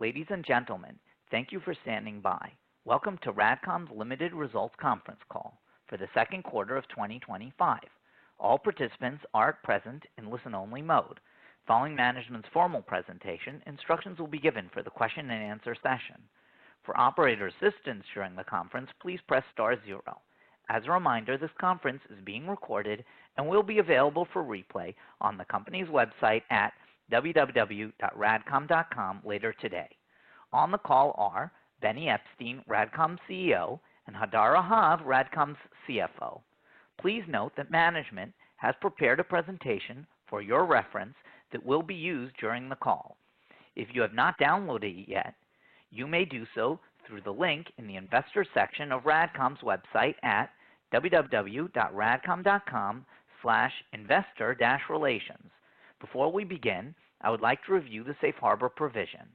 Ladies and gentlemen, thank you for standing by. Welcome to RADCOM Limited. results conference call for the second quarter of 2025. All participants are present in listen-only mode. Following management's formal presentation, instructions will be given for the question and answer session. For operator assistance during the conference, please press star zero. As a reminder, this conference is being recorded and will be available for replay on the company's website at www.radcom.com later today. On the call are Benny Eppstein, RADCOM CEO, and Hadar Rahav, RADCOM CFO. Please note that management has prepared a presentation for your reference that will be used during the call. If you have not downloaded it yet, you may do so through the link in the investor section of RADCOM's website at www.radcom.com/investor-relations. Before we begin, I would like to review the safe harbor provision.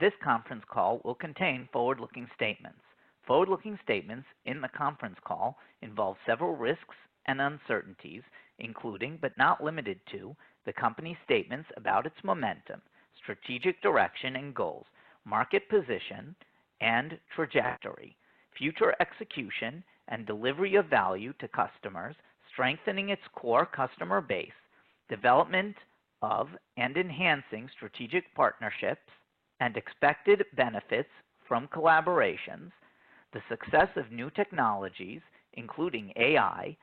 This conference call will contain forward-looking statements. Forward-looking statements in the conference call involve several risks and uncertainties, including but not limited to the company's statements about its momentum, strategic direction and goals, market position and trajectory, future execution and delivery of value to customers, strengthening its core customer base, development of and enhancing strategic partnerships, and expected benefits from collaborations, the success of new technologies, including AI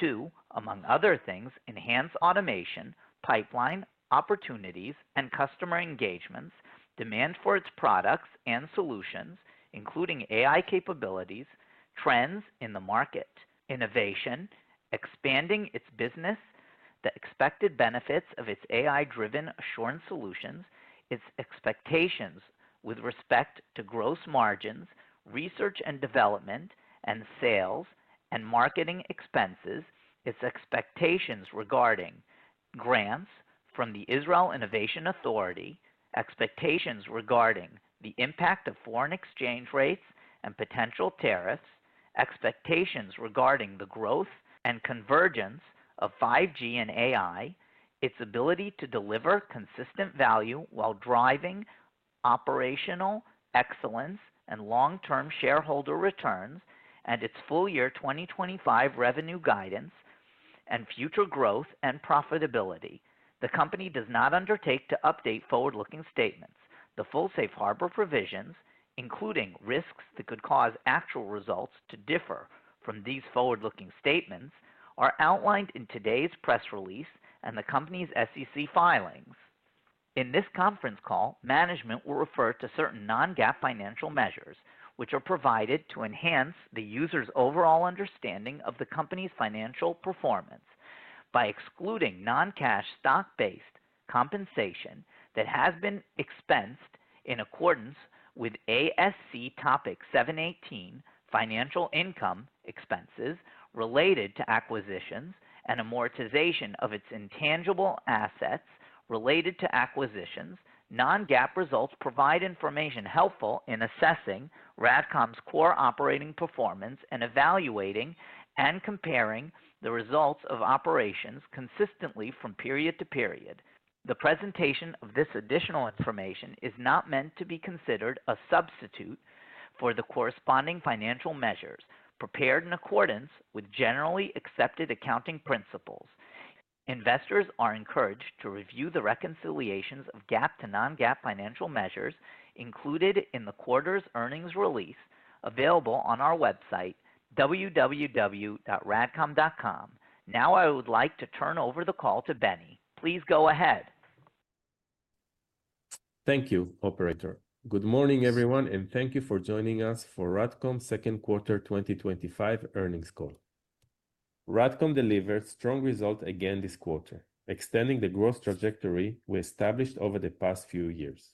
to, among other things, enhance automation, pipeline opportunities, and customer engagements, demand for its products and solutions, including AI capabilities, trends in the market, innovation, expanding its business, the expected benefits of its AI-driven assurance solutions, its expectations with respect to gross margins, research and development, and sales and marketing expenses, its expectations regarding grants from the Israel Innovation Authority, expectations regarding the impact of foreign exchange rates and potential tariffs, expectations regarding the growth and convergence of 5G and AI, its ability to deliver consistent value while driving operational excellence and long-term shareholder returns, and its full-year 2025 revenue guidance and future growth and profitability. The company does not undertake to update forward-looking statements. The full safe harbor provisions, including risks that could cause actual results to differ from these forward-looking statements, are outlined in today's press release and the company's SEC filings. In this conference call, management will refer to certain non-GAAP financial measures, which are provided to enhance the user's overall understanding of the company's financial performance by excluding non-cash stock-based compensation that has been expensed in accordance with ASC Topic 718, financial income expenses related to acquisitions and amortization of its intangible assets related to acquisitions. Non-GAAP results provide information helpful in assessing RADCOM's core operating performance and evaluating and comparing the results of operations consistently from period to period. The presentation of this additional information is not meant to be considered a substitute for the corresponding financial measures prepared in accordance with generally accepted accounting principles. Investors are encouraged to review the reconciliations of GAAP to non-GAAP financial measures included in the quarter's earnings release available on our website, www.radcom.com. Now I would like to turn over the call to Benny. Please go ahead. Thank you, operator. Good morning, everyone, and thank you for joining us for RADCOM's second quarter 2025 earnings call. RADCOM delivered strong results again this quarter, extending the growth trajectory we established over the past few years.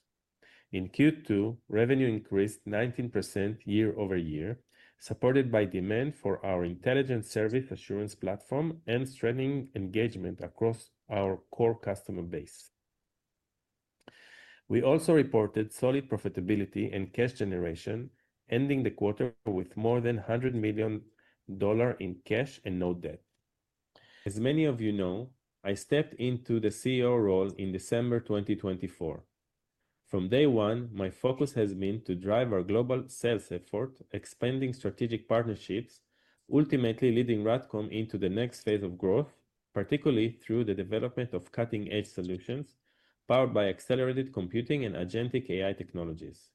In Q2, revenue increased 19% year-over-year, supported by demand for our intelligent service assurance platform and strengthening engagement across our core customer base. We also reported solid profitability and cash generation, ending the quarter with more than $100 million in cash and no debt. As many of you know, I stepped into the CEO role in December 2024. From day one, my focus has been to drive our global sales effort, expanding strategic partnerships, ultimately leading RADCOM into the next phase of growth, particularly through the development of cutting-edge solutions powered by accelerated computing and agentic AI technologies.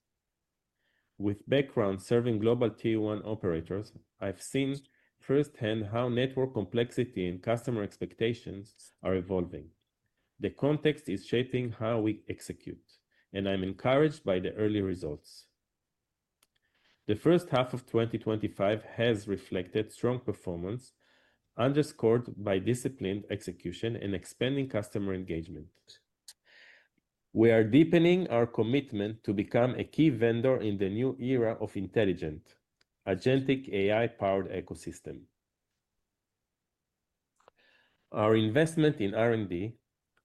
With background serving global Tier 1 operators, I've seen firsthand how network complexity and customer expectations are evolving. The context is shaping how we execute, and I'm encouraged by the early results. The first half of 2025 has reflected strong performance, underscored by disciplined execution and expanding customer engagement. We are deepening our commitment to become a key vendor in the new era of intelligent, agentic AI-powered ecosystem. Our investment in R&D,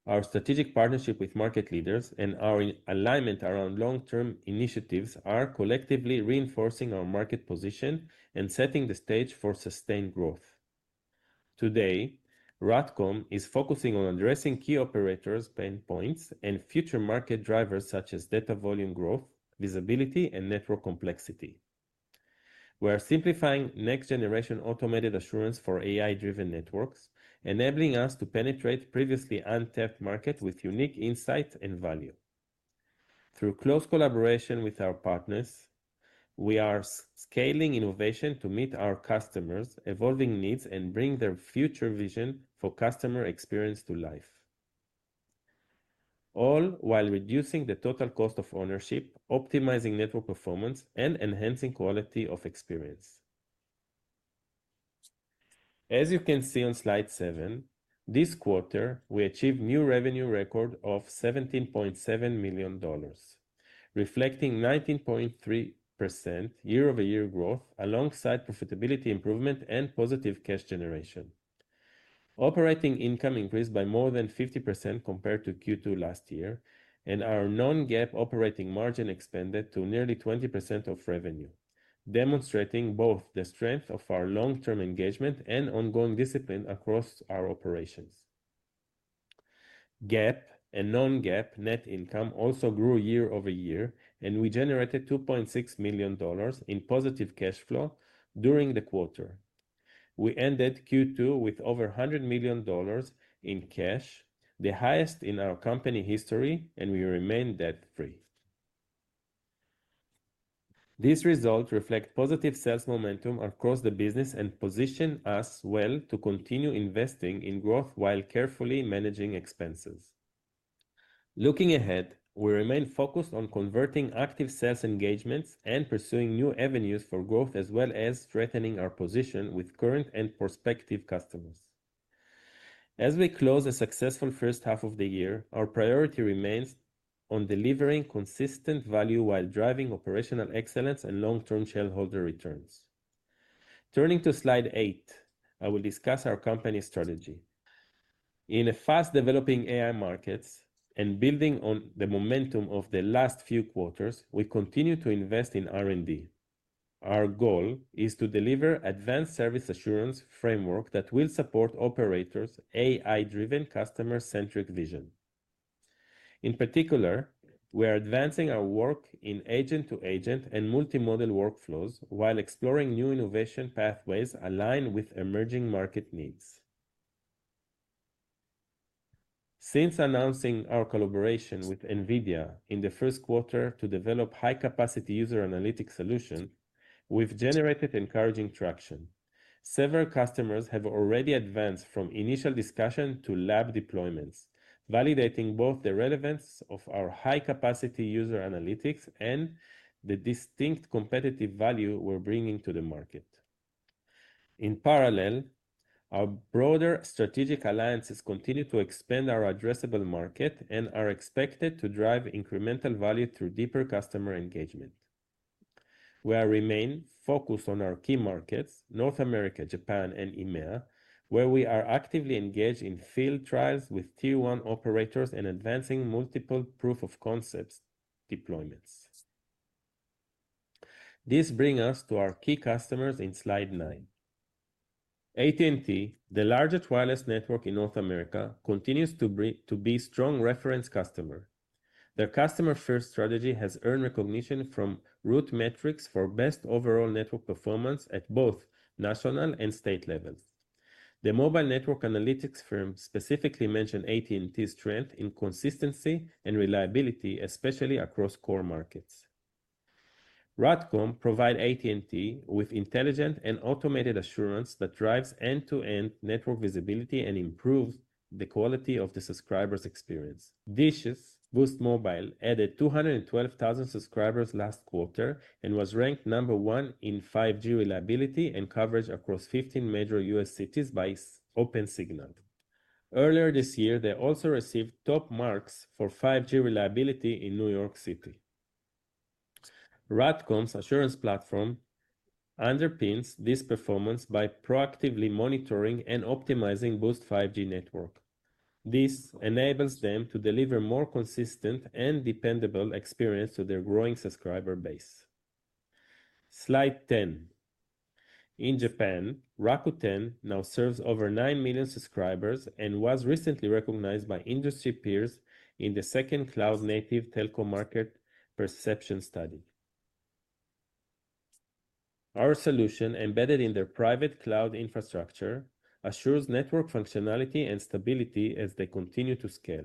our strategic partnership with market leaders, and our alignment around long-term initiatives are collectively reinforcing our market position and setting the stage for sustained growth. Today, RADCOM is focusing on addressing key operators' pain points and future market drivers such as data volume growth, visibility, and network complexity. We are simplifying next-generation automated assurance for AI-driven networks, enabling us to penetrate previously untapped markets with unique insights and value. Through close collaboration with our partners, we are scaling innovation to meet our customers' evolving needs and bring their future vision for customer experience to life, all while reducing the total cost of ownership, optimizing network performance, and enhancing quality of experience. As you can see on slide seven, this quarter, we achieved a new revenue record of $17.7 million, reflecting 19.3% year-over-year growth alongside profitability improvement and positive cash generation. Operating income increased by more than 50% compared to Q2 last year, and our non-GAAP operating margin expanded to nearly 20% of revenue, demonstrating both the strength of our long-term engagement and ongoing discipline across our operations. GAAP and non-GAAP net income also grew year-over-year, and we generated $2.6 million in positive cash flow during the quarter. We ended Q2 with over $100 million in cash, the highest in our company history, and we remain debt-free. These results reflect positive sales momentum across the business and position us well to continue investing in growth while carefully managing expenses. Looking ahead, we remain focused on converting active sales engagements and pursuing new avenues for growth, as well as strengthening our position with current and prospective customers. As we close the successful first half of the year, our priority remains on delivering consistent value while driving operational excellence and long-term shareholder returns. Turning to slide eight, I will discuss our company strategy. In a fast-developing AI market and building on the momentum of the last few quarters, we continue to invest in R&D. Our goal is to deliver an advanced service assurance framework that will support operators' AI-driven customer-centric vision. In particular, we are advancing our work in agent-to-agent and multimodal workflows while exploring new innovation pathways aligned with emerging market needs. Since announcing our collaboration with NVIDIA in the first quarter to develop a high-capacity user analytics solution, we've generated encouraging traction. Several customers have already advanced from initial discussion to lab deployments, validating both the relevance of our high-capacity user analytics and the distinct competitive value we're bringing to the market. In parallel, our broader strategic alliances continue to expand our addressable market and are expected to drive incremental value through deeper customer engagement. We remain focused on our key markets, North America, Japan, and EMEA, where we are actively engaged in field trials with Tier 1 operators and advancing multiple proof-of-concept deployments. This brings us to our key customers in slide nine. AT&T, the largest wireless network in North America, continues to be a strong reference customer. Their customer-first strategy has earned recognition from Root Metrics for best overall network performance at both national and state levels. The mobile network analytics firm specifically mentioned AT&T's strength in consistency and reliability, especially across core markets. RADCOM provides AT&T with intelligent and automated assurance that drives end-to-end network visibility and improves the quality of the subscriber's experience. DISH's Boost Mobile added 212,000 subscribers last quarter and was ranked number one in 5G reliability and coverage across 15 major U.S. cities by OpenSignal. Earlier this year, they also received top marks for 5G reliability in New York City. RADCOM's assurance platform underpins this performance by proactively monitoring and optimizing Boost 5G network. This enables them to deliver a more consistent and dependable experience to their growing subscriber base. Slide 10. In Japan, Rakuten now serves over 9 million subscribers and was recently recognized by industry peers in the second cloud-native telco market perception study. Our solution, embedded in their private cloud infrastructure, assures network functionality and stability as they continue to scale.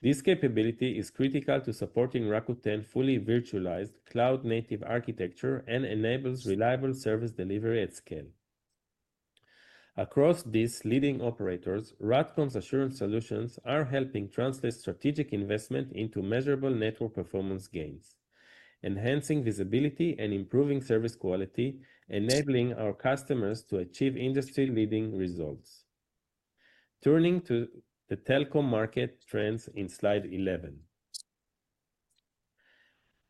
This capability is critical to supporting Rakuten's fully virtualized cloud-native architecture and enables reliable service delivery at scale. Across these leading operators, RADCOM's assurance solutions are helping translate strategic investment into measurable network performance gains, enhancing visibility and improving service quality, enabling our customers to achieve industry-leading results. Turning to the telecom market trends in slide 11.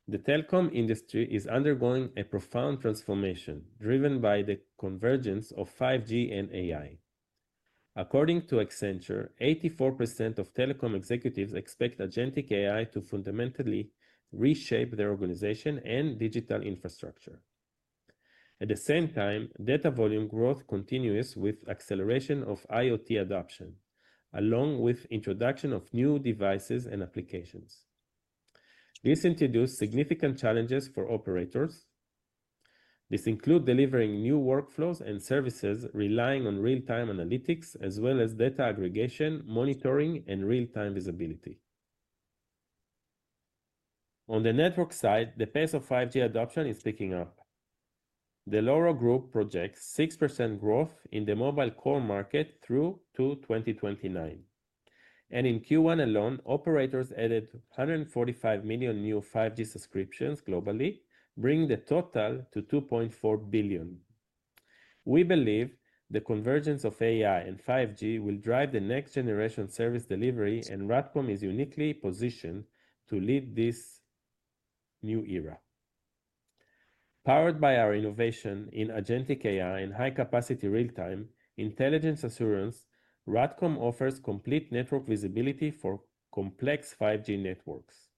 The telecom industry is undergoing a profound transformation driven by the convergence of 5G and AI. According to Accenture, 84% of telecom executives expect agentic AI to fundamentally reshape their organization and digital infrastructure. At the same time, data volume growth continues with the acceleration of IoT adoption, along with the introduction of new devices and applications. This introduces significant challenges for operators. These include delivering new workflows and services relying on real-time analytics, as well as data aggregation, monitoring, and real-time visibility. On the network side, the pace of 5G adoption is picking up. The LoRa group projects 6% growth in the mobile core market through 2029. In Q1 alone, operators added 145 million new 5G subscriptions globally, bringing the total to 2.4 billion. We believe the convergence of AI and 5G will drive the next-generation service delivery, and RADCOM is uniquely positioned to lead this new era. Powered by our innovation in agentic AI and high-capacity real-time intelligence assurance, RADCOM offers complete network visibility for complex 5G networks.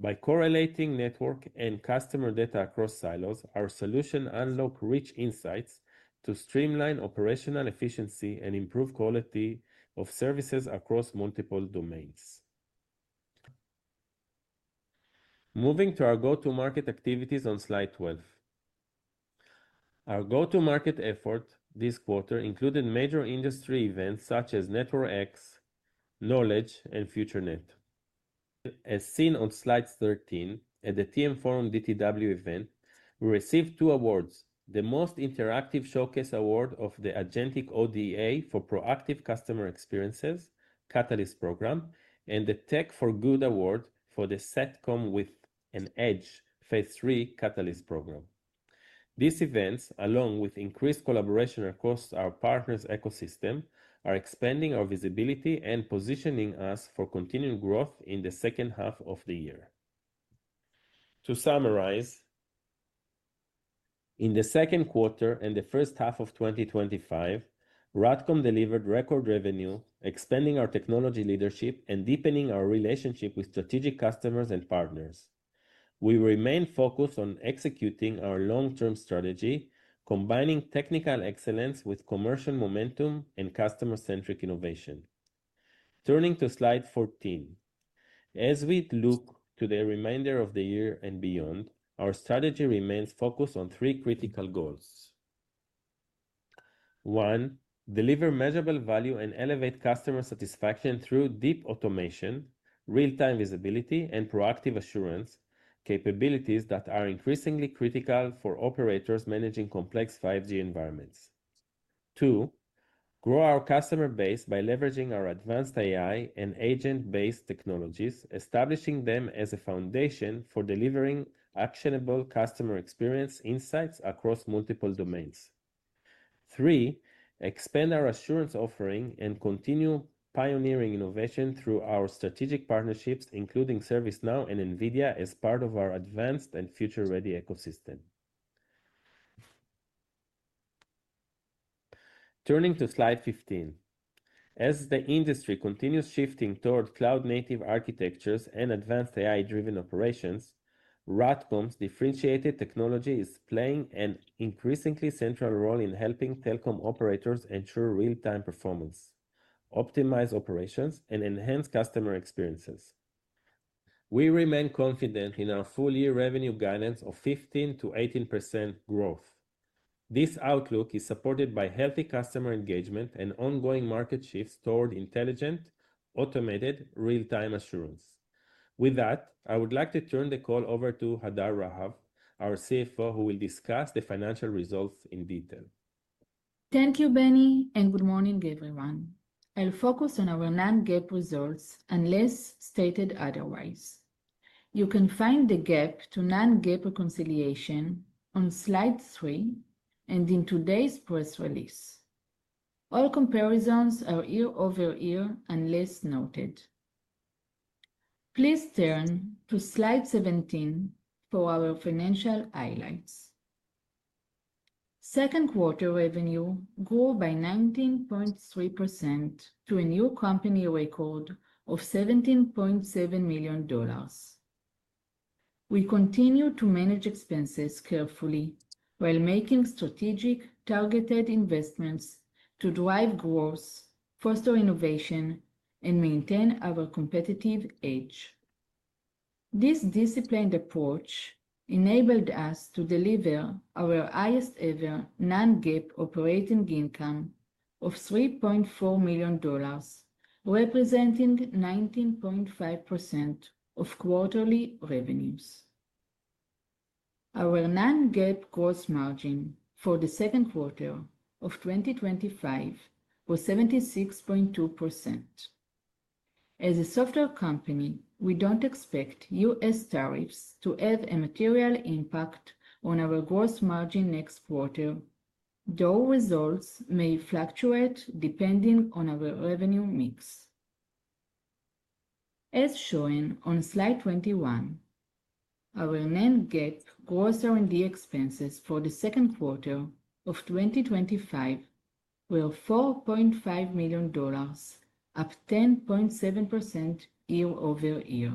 By correlating network and customer data across silos, our solution unlocks rich insights to streamline operational efficiency and improve quality of services across multiple domains. Moving to our go-to-market activities on slide 12, our go-to-market effort this quarter included major industry events such as NetworkX, Knowledge, and FutureNet. As seen on slide 13, at the TM Forum DTW event, we received two awards – the Most Interactive Showcase Award of the Agentic ODA for Proactive Customer Experiences Catalyst Program and the Tech for Good Award for the Set Come with an Edge Phase 3 Catalyst Program. These events, along with increased collaboration across our partners' ecosystem, are expanding our visibility and positioning us for continued growth in the second half of the year. To summarize, in the second quarter and the first half of 2025, RADCOM delivered record revenue, expanding our technology leadership and deepening our relationship with strategic customers and partners. We remain focused on executing our long-term strategy, combining technical excellence with commercial momentum and customer-centric innovation. Turning to slide 14, as we look to the remainder of the year and beyond, our strategy remains focused on three critical goals. One, deliver measurable value and elevate customer satisfaction through deep automation, real-time visibility, and proactive assurance, capabilities that are increasingly critical for operators managing complex 5G environments. Two, grow our customer base by leveraging our advanced AI and agent-based technologies, establishing them as a foundation for delivering actionable customer experience insights across multiple domains. Three, expand our assurance offering and continue pioneering innovation through our strategic partnerships, including ServiceNow and NVIDIA, as part of our advanced and future-ready ecosystem. Turning to slide 15, as the industry continues shifting toward cloud-native architectures and advanced AI-driven operations, RADCOM's differentiated technology is playing an increasingly central role in helping telecom operators ensure real-time performance, optimize operations, and enhance customer experiences. We remain confident in our full-year revenue guidance of 15%-18% growth. This outlook is supported by healthy customer engagement and ongoing market shifts toward intelligent, automated, real-time assurance. With that, I would like to turn the call over to Hadar Rahav, our CFO, who will discuss the financial results in detail. Thank you, Benny, and good morning, everyone. I'll focus on our non-GAAP results unless stated otherwise. You can find the GAAP to non-GAAP reconciliation on slide three and in today's press release. All comparisons are year-over-year unless noted. Please turn to slide 17 for our financial highlights. Second quarter revenue grew by 19.3% to a new company record of $17.7 million. We continue to manage expenses carefully while making strategic, targeted investments to drive growth, foster innovation, and maintain our competitive edge. This disciplined approach enabled us to deliver our highest ever non-GAAP operating income of $3.4 million, representing 19.5% of quarterly revenues. Our non-GAAP gross margin for the second quarter of 2025 was 76.2%. As a software company, we don't expect U.S. tariffs to have a material impact on our gross margin next quarter, though results may fluctuate depending on our revenue mix. As shown on slide 21, our non-GAAP gross R&D expenses for the second quarter of 2025 were $4.5 million, up 10.7% year-over-year.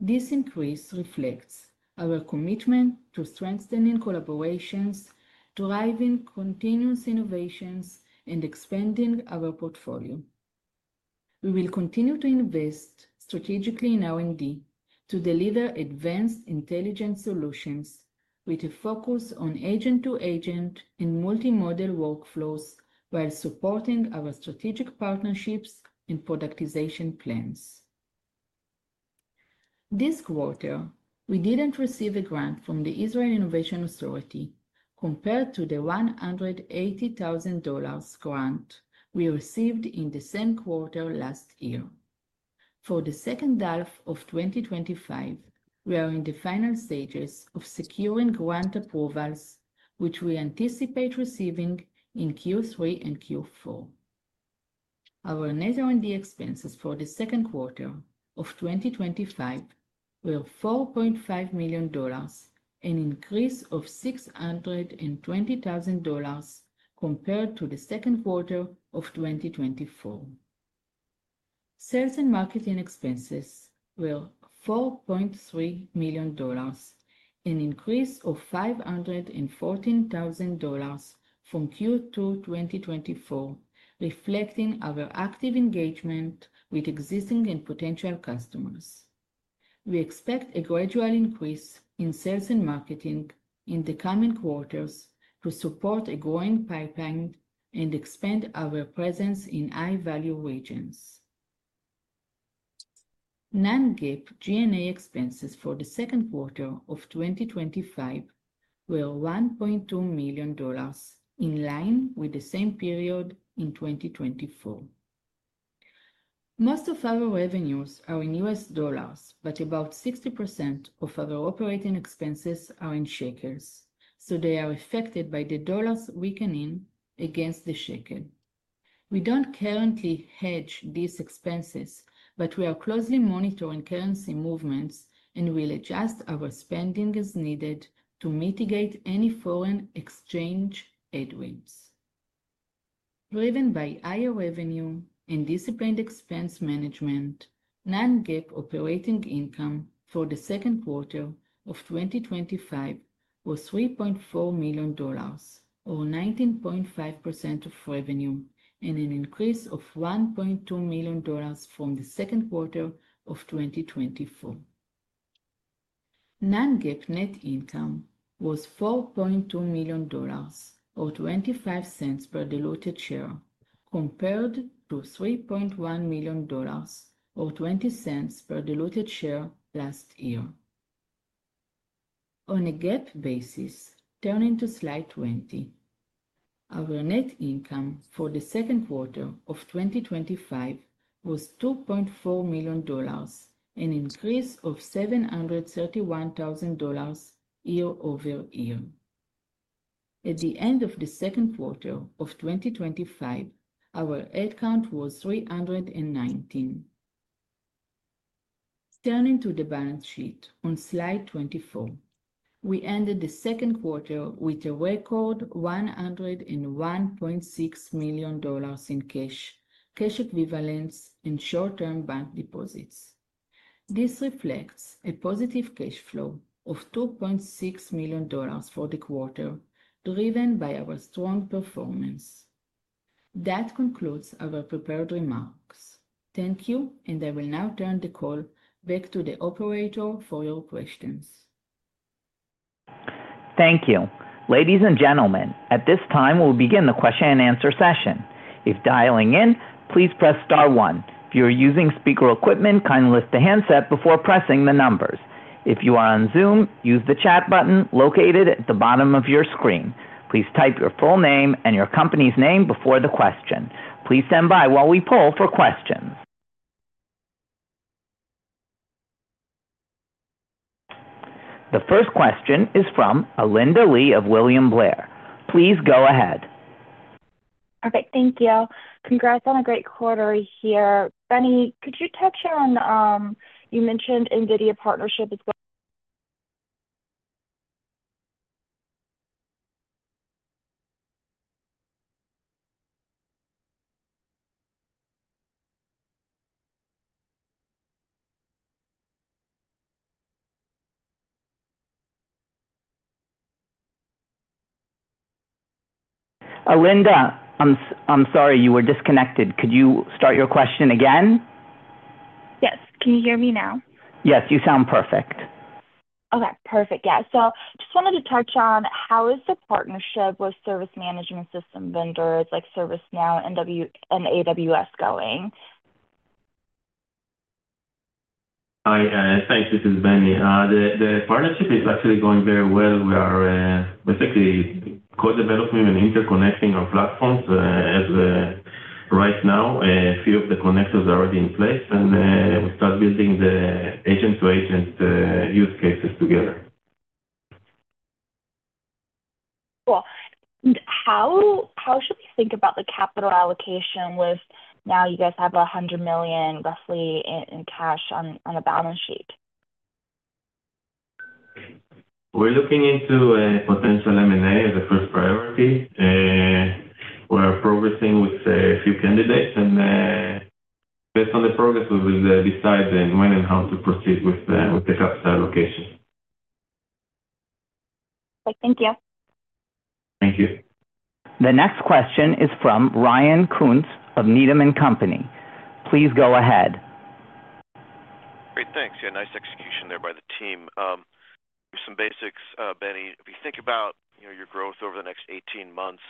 This increase reflects our commitment to strengthening collaborations, driving continuous innovations, and expanding our portfolio. We will continue to invest strategically in R&D to deliver advanced intelligent solutions with a focus on agent-to-agent and multimodal workflows while supporting our strategic partnerships and productization plans. This quarter, we didn't receive a grant from the Israel Innovation Authority compared to the $180,000 grant we received in the same quarter last year. For the second half of 2025, we are in the final stages of securing grant approvals, which we anticipate receiving in Q3 and Q4. Our net R&D expenses for the second quarter of 2025 were $4.5 million, an increase of $620,000 compared to the second quarter of 2024. Sales and marketing expenses were $4.3 million, an increase of $514,000 from Q2 2024, reflecting our active engagement with existing and potential customers. We expect a gradual increase in sales and marketing in the coming quarters to support a growing pipeline and expand our presence in high-value regions. Non-GAAP G&A expenses for the second quarter of 2025 were $1.2 million, in line with the same period in 2024. Most of our revenues are in U.S. dollars, but about 60% of our operating expenses are in shekels, so they are affected by the dollar weakening against the shekel. We don't currently hedge these expenses, but we are closely monitoring currency movements and will adjust our spending as needed to mitigate any foreign exchange headwinds. Driven by higher revenue and disciplined expense management, non-GAAP operating income for the second quarter of 2025 was $3.4 million, or 19.5% of revenue, and an increase of $1.2 million from the second quarter of 2024. Non-GAAP net income was $4.2 million, or $0.25 per diluted share, compared to $3.1 million, or $0.20 per diluted share last year. On a GAAP basis, turning to slide 20, our net income for the second quarter of 2025 was $2.4 million, an increase of $731,000 year-over-year. At the end of the second quarter of 2025, our headcount was 319. Turning to the balance sheet on slide 24, we ended the second quarter with a record $101.6 million in cash, cash equivalents, and short-term bank deposits. This reflects a positive cash flow of $2.6 million for the quarter, driven by our strong performance. That concludes our prepared remarks. Thank you, and I will now turn the call back to the operator for your questions. Thank you. Ladies and gentlemen, at this time, we'll begin the question and answer session. If dialing in, please press star one. If you're using speaker equipment, kindly lift the handset before pressing the numbers. If you are on Zoom, use the chat button located at the bottom of your screen. Please type your full name and your company's name before the question. Please stand by while we poll for questions. The first question is from Alinda Li of William Blair. Please go ahead. All right. Thank you. Congrats on a great quarter here. Benny, could you touch in on, you mentioned NVIDIA partnership as well. Alinda, I'm sorry you were disconnected. Could you start your question again? Yes, can you hear me now? Yes, you sound perfect. Okay. Perfect. I just wanted to touch on how is the partnership with service management system vendors like ServiceNow and AWS going? Hi. Thanks for this, Benny. The partnership is actually going very well. We are basically co-developing and interconnecting our platforms as we right now see if the connectors are already in place, and we start building the agent-to-agent use cases together. Cool. How should we think about the capital allocation with now you guys have approximately $100 million in cash on the balance sheet? We're looking into a potential M&A as a first priority. We're progressing with a few candidates, and based on the progress, we will decide when and how to proceed with the capital allocation. Great. Thank you. Thank you. The next question is from Ryan Boyer Koontz of Needham & Company. Please go ahead. Great. Thanks. Yeah, nice execution there by the team. Here's some basics, Benny. If you think about your growth over the next 18 months,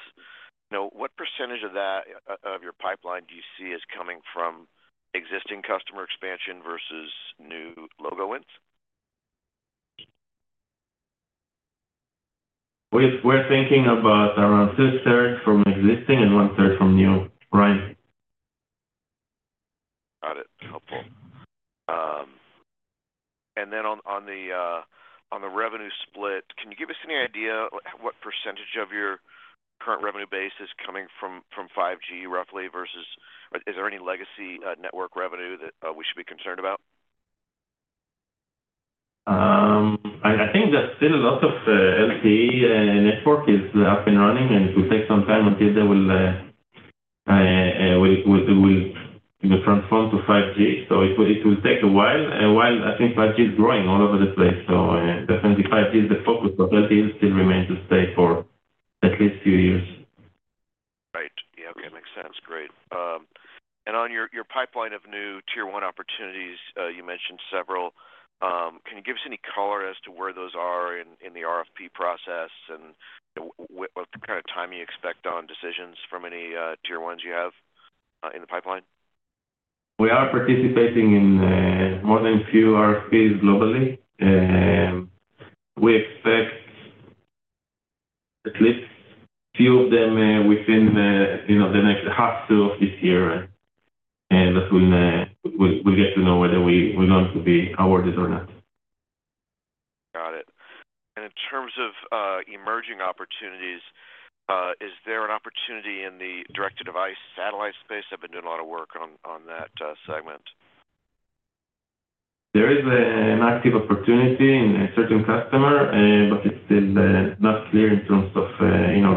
what % of that of your pipeline do you see as coming from existing customer expansion versus new logo wins? We're thinking about around two-thirds from existing and one-third from new, right? Got it. Helpful. On the revenue split, can you give us any idea what % of your current revenue base is coming from 5G roughly versus is there any legacy network revenue that we should be concerned about? I think that there are lots of LTE networks that are up and running, and it will take some time until they will be transformed to 5G. It will take a while. I think 5G is growing all over the place. 5G is the focus, and LTE still remains to stay for at least a few years. Right. Yeah. Okay. Makes sense. Great. On your pipeline of new Tier 1 opportunities, you mentioned several. Can you give us any color as to where those are in the RFP process and what kind of time you expect on decisions from any Tier 1s you have in the pipeline? We are participating in more than a few RFPs globally. We expect a few of them within the next half of this year, and we'll get to know whether we're going to be awarded or not. Got it. In terms of emerging opportunities, is there an opportunity in the direct-to-device satellite space? I've been doing a lot of work on that segment. There is an active opportunity in a certain customer, but it's still not clear in terms of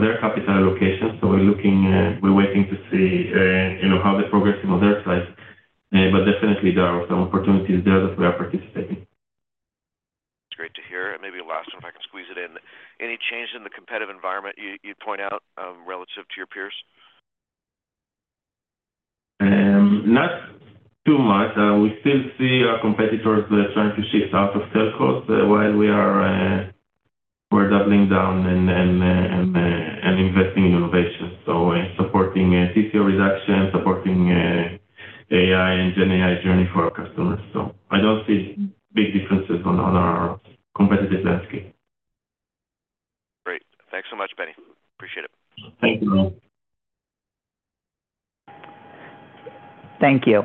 their capital allocation. We're looking, we're waiting to see how the progression of their slides. There are some opportunities there that we are participating. Great to hear. Maybe the last one, if I can squeeze it in. Any change in the competitive environment you point out relative to your peers? Not too much. We still see our competitors trying to shift out of telcos while we are doubling down and investing in innovation, supporting CTO reduction, supporting AI and GenAI journey for our customers. I don't see big differences on our competitive landscape. Great. Thanks so much, Benny. Appreciate it. Thank you. Thank you.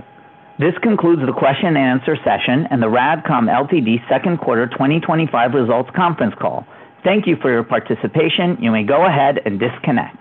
This concludes the question and answer session and the RADCOM Ltd. second quarter 2025 results conference call. Thank you for your participation. You may go ahead and disconnect.